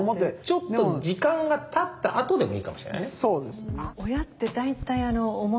ちょっと時間がたったあとでもいいかもしれないね。